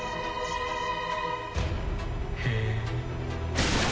へえ。